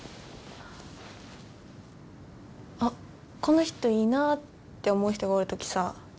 あっこの人いいなって思う人がおる時さ